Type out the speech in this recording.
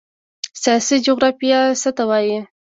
سیاسي جغرافیه څه ته وایي؟